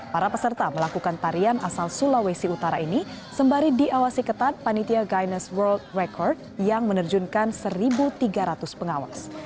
para peserta melakukan tarian asal sulawesi utara ini sembari diawasi ketat panitia guinness world record yang menerjunkan satu tiga ratus pengawas